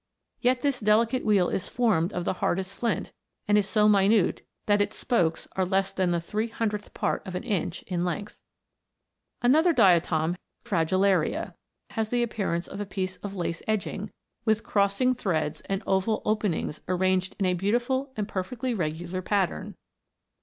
Yet this delicate wheel is formed of the hardest flint, and is so minute that its spokes are less than the three hundredth part of an inch in length ! Another diatom has the appearance of a piece of lace edging, with crossing threads and oval openings arranged in a beautiful and perfectly regular pat tern.